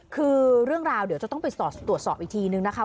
คือเรื่องราวเดี๋ยวจะต้องไปตรวจสอบอีกทีนึงนะคะ